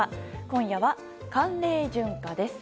今夜は、寒冷順化です。